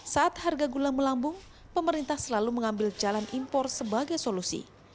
saat harga gula melambung pemerintah selalu mengambil jalan impor sebagai solusi